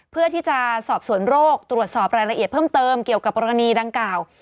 เพื่อที่จะสอบสวนโรคตรวจสอบรายละเอียดเพิ่มเติมเกี่ยวกับกรณีดังกล่าว